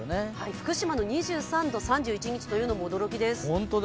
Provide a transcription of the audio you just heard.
福島の２３度、３１日というのも驚きです。